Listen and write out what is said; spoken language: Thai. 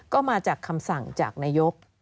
ก็มาจากคำสั่งจากนายก